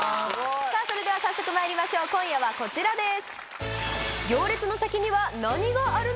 それでは早速まいりましょう今夜はこちらです。